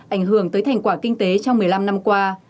ảnh hưởng tới thành quả kinh tế trong một mươi năm năm qua